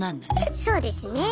そうですね。